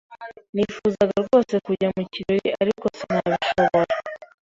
Nifuzaga rwose kujya mu kirori, ariko sinabishobora.